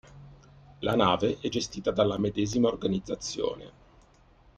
La nave è gestita dalla medesima organizzazione.